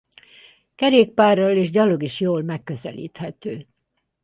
Kerékpárral és gyalog is jól megközelíthető.